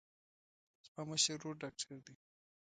زما مشر ورور ډاکتر دی.